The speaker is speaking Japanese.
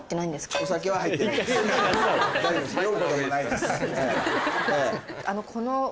大丈夫です。